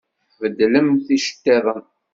Beddlemt iceṭṭiḍen!